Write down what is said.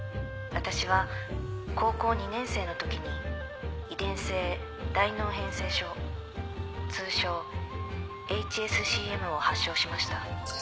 私は高校２年生の時に遺伝性大脳変性症通称ＨＳＣＭを発症しました。